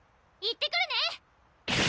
行ってくるね！